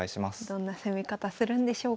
どんな攻め方するんでしょうか。